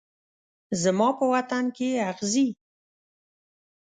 زما په وطن کې اغزي